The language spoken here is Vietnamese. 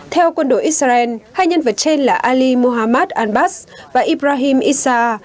theo quân đội israel hai nhân vật trên là ali muhammad al bas và ibrahim issa